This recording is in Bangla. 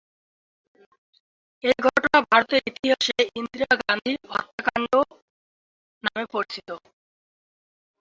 এই ঘটনা ভারতের ইতিহাসে ইন্দিরা গান্ধী হত্যাকাণ্ড নামে পরিচিত।